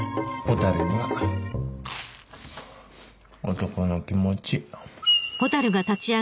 男の気持ち。